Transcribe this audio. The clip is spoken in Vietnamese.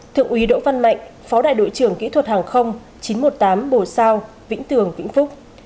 thượng úy đỗ văn mạnh phó đại đội trưởng kỹ thuật hàng không chín trăm một mươi tám bồ sao vĩnh tường vĩnh phúc